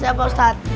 siap pak ustadz